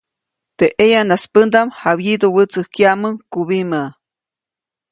Teʼ ʼeyanas pändaʼm jawyiduʼwätsäjkyaʼmuŋ kubimä.